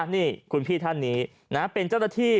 นี่คุณพี่ท่านนี้เป็นเจ้าหน้าที่